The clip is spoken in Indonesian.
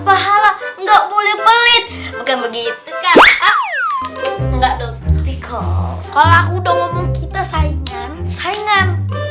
pahala enggak boleh pelit bukan begitu enggak dong kalau udah ngomong kita saingan saingan